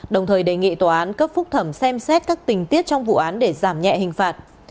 đồng thời đề nghị tòa án cấp phúc thẩm xem xét các tình tiết trong vụ án để giảm nhẹ hình phạt